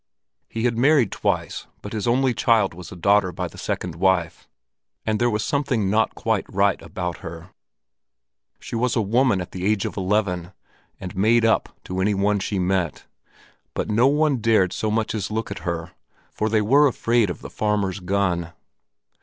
He had married twice, but his only child was a daughter by the second wife, and there was something not quite right about her. She was a woman at the age of eleven, and made up to any one she met; but no one dared so much as look at her, for they were afraid of the farmer's gun.